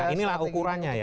nah inilah ukurannya ya